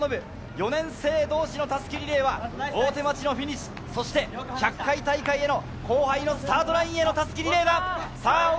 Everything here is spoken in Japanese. ４年生同士の襷リレーは大手町のフィニッシュ、そして１００回大会への後輩へスタートラインの襷リレーです。